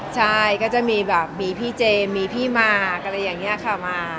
ใช่ก็จะมีแบบมีพี่เจมส์มีพี่มาอะไรอย่างนี้ค่ะมา